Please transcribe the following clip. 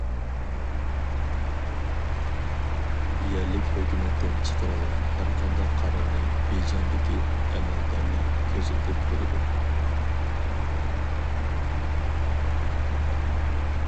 يەرلىك ھۆكۈمەتتىن چىقىرىلغان ھەرقانداق قارارنى بېيجىڭدىكى ئەمەلدارلار كۆزىتىپ تۇرىدۇ.